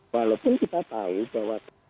walaupun kita tahu bahwa